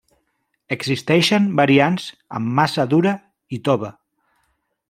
Existeixen variants amb massa dura i tova.